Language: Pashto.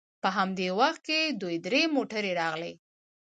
په همدې وخت کې دوې درې موټرې راغلې.